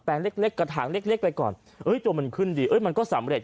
เล็กเล็กกระถางเล็กไปก่อนเอ้ยตัวมันขึ้นดีเอ้ยมันก็สำเร็จ